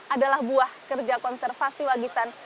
adalah buah kerja konservasi wagisan